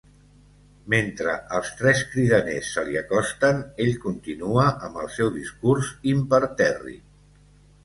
Mentre els tres cridaners se li acosten, ell continua amb el seu discurs, impertèrrit.